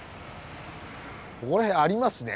ここら辺ありますね。